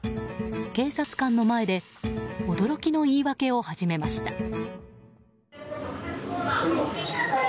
警察官の前で驚きの言い訳を始めました。